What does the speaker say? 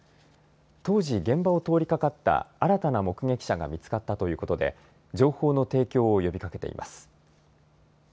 当時、現場を通りかかった新たな目撃者が見つかったということで情報の提供を呼びかけています。